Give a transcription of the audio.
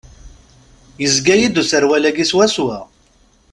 Yezga-yi-d userwal-agi swaswa.